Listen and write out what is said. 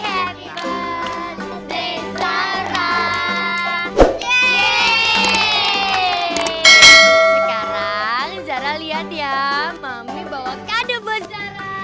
sekarang zara lihat ya mami bawa kade buat zara